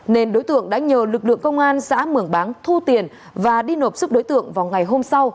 nên đối tượng đã nhờ lực lượng công an xã mường báng thu tiền và đi nộp sức đối tượng vào ngày hôm sau